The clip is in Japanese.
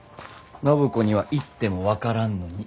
暢子には言っても分からんのに。